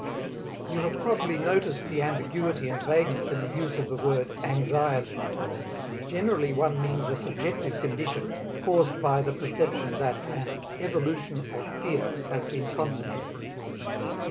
You have probably noticed the ambiguity and vagueness in the use of the word "anxiety." Generally one means a subjective condition, caused by the perception that an "evolution of fear" has been consummated.